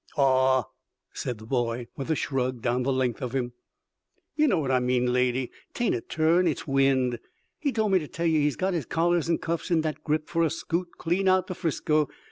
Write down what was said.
"Awe," said the boy, with a shrug down the length of him, "yer know what I mean, lady. 'Tain't a turn, it's wind. He told me to tell yer he's got his collars and cuffs in dat grip for a scoot clean out to 'Frisco.